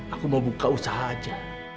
aku mau buka usaha aja